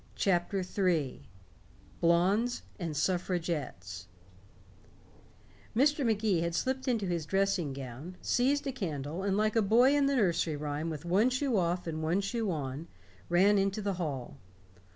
CHAPTER III BLONDES AND SUFFRAGETTES Mr. Magee slipped into his dressing gown, seized a candle, and like the boy in the nursery rhyme with one shoe off and one shoe on, ran into the hall.